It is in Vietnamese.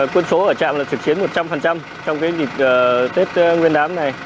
quân số ở trạm là thực chiến một trăm linh trong dịch tết nguyên đám này